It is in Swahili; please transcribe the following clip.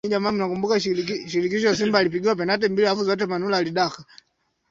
askari wa mwanza wakiwa wamejipanga wamasindikiza maandamano